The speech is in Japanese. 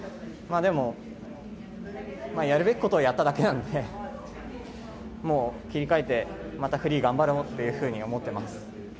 でも、やるべきことをやっただけなんで、もう切り替えて、またフリー頑張ろうっていうふうに思ってます。